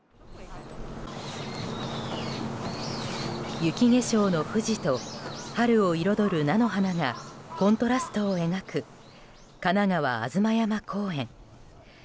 雪化粧の富士と春を彩る菜の花がコントラストを描く神奈川・吾妻山公園。